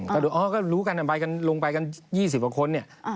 อ๋อก็รู้กันลงไปกัน๒๐กว่าคน